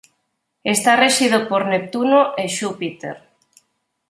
Está rexido por Neptuno e Xúpiter.